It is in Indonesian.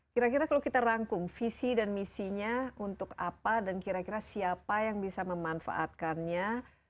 kira kira kalau kita rangkum visi dan misinya untuk apa dan kira kira siapa yang bisa memanfaatkannya